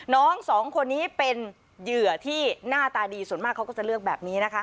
น้องสองคนนี้เป็นเหยื่อที่หน้าตาดีส่วนมากเขาก็จะเลือกแบบนี้นะคะ